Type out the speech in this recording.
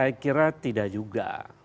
saya kira tidak juga